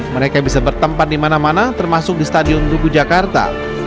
mereka bisa bertempat di mana mana termasuk di stadion tugu jakarta